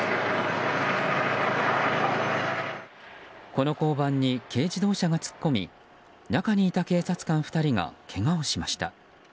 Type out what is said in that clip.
この交番に軽自動車が突っ込み中にいた警察官２人がけがをしました。